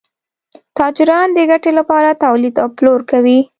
تاجران د ګټې لپاره تولید او پلور کوي.